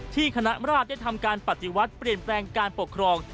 คณะราชได้ทำการปฏิวัติเปลี่ยนแปลงการปกครอง